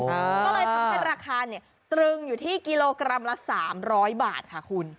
ก็เลยทำให้ราคาเนี่ยตรึงอยู่ที่กิโลกรัมละ๓๐๐บาทค่ะคุณ